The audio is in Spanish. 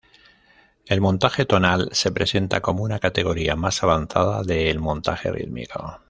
El montaje tonal se presenta como una categoría más avanzada de el montaje rítmico.